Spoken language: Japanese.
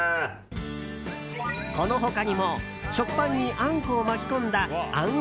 この他にも食パンにあんこを巻き込んだあん